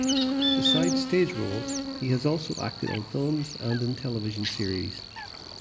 Besides stage roles he has also acted on films and in television series.